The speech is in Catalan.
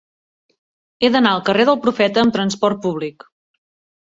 He d'anar al carrer del Profeta amb trasport públic.